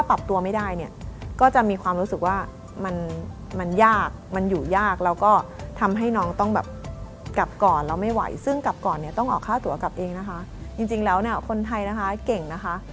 เรารับเองนะคะจริงแล้วคนไทยเก่งนะคะ